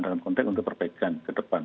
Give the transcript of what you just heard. dalam konteks untuk perbaikan ke depan